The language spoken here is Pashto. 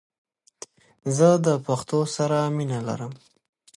زه د پښتو سره مینه لرم🇦🇫❤️